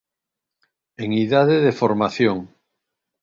En idade de formación.